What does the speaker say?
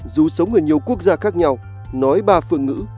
dù sống ở nhiều quốc gia khác nhau nói ba phương ngữ